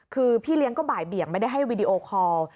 คือพี่เลี้ยงก็บ่ายเบี่ยงไม่ได้ให้วีดีโอคอล